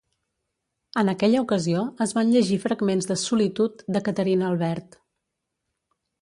En aquella ocasió es van llegir fragments de Solitud de Caterina Albert.